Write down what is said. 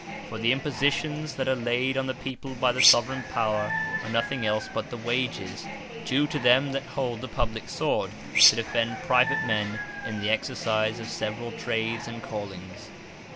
For the Impositions that are layd on the People by the Soveraign Power, are nothing else but the Wages, due to them that hold the publique Sword, to defend private men in the exercise of severall Trades, and Callings.